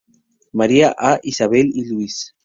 María A., Isabel y Luis.